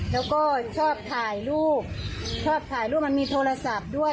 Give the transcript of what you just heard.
แล้วก็ชอบถ่ายรูปชอบถ่ายรูปมันมีโทรศัพท์ด้วย